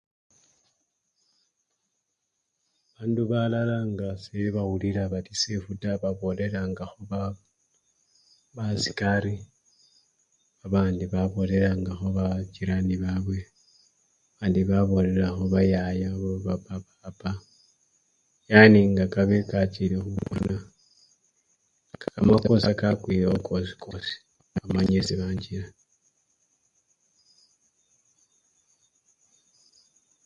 Bandu balala nga khebawulila nga sebali sefu taa babolelangakho basikari babandi babolelangakho bajirani babwe babandi babolelakho bayaya namwe bapa! bapapa yani nekabe kachile khukona nga kamakosa kakwilewo kosikosi bamanye esi banchila.